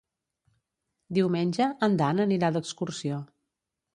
Diumenge en Dan anirà d'excursió.